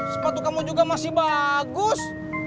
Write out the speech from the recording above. sepatu kamu juga masih bagus